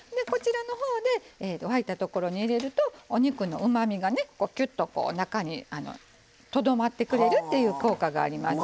沸いたところに入れるとお肉のうまみが、きゅっと中にとどまってくれるっていう効果がありますね。